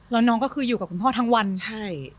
แล้วน้องก็คืออยู่กับคุณพ่อทั้งวันใช่